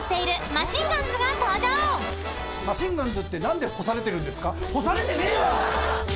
マシンガンズって何で干されてるんですか？